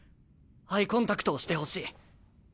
アイコンタクトをしてほしい。